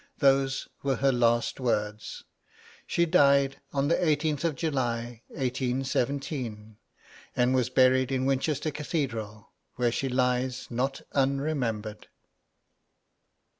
Those were her last words. She died on the 18th of July, 1817, and was buried in Winchester Cathedral, where she lies not unremembered.